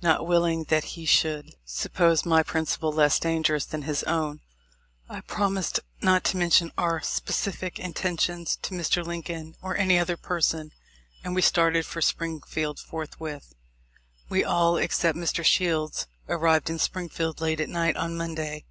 Not willing that he should 252 THE LIFE 0F LINCOLN. suppose my principal less dangerous than his own, I promised not to mention our pacific intentions to Mr. Lincoln or any other person; and we started for Springfield forthwith. We all, except Mr. Shields, arrived in Springfield late at night on Monday.